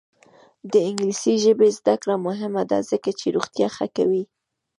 د انګلیسي ژبې زده کړه مهمه ده ځکه چې روغتیا ښه کوي.